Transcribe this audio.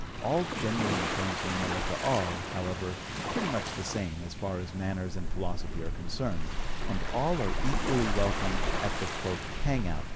All genuine tramps in America are, however, pretty much the same, as far as manners and philosophy are concerned, and all are equally welcome at the "hang out."